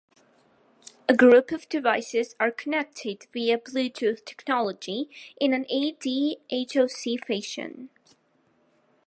A group of devices are connected via Bluetooth technology in an ad hoc fashion.